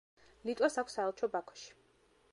ლიტვას აქვს საელჩო ბაქოში.